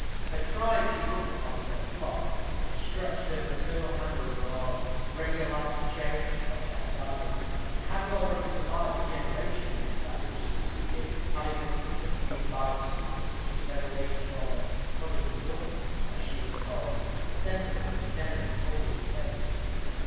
Her tribe she looked upon as her flock, and stretched her maternal hand over all, ready alike to cherish or chastise; and having already survived a generation, that which succeeded, having from infancy imbibed a superstitious veneration for the "cunning woman," as she was called, the sentiment could never be wholly effaced.